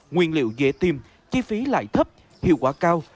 nguyên liệu dễ tìm chi phí lại thấp hiệu quả cao